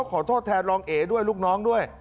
ขอโทษแทนรองเอด้วยลูกน้องด้วย